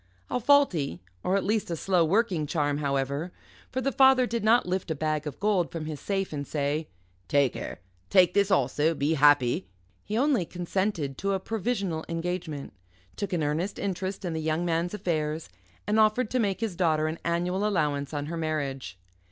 A faulty, or at least a slow working, charm, however, for the father did not lift a bag of gold from his safe and say: "Take her, take this also be happy" he only consented to a provisional engagement, took an earnest interest in the young man's affairs, and offered to make his daughter an annual allowance on her marriage.